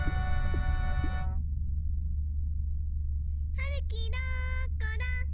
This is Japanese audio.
はるきどこだ？